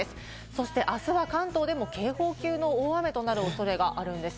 そして、あすは関東でも警報級の大雨となる恐れがあるんです。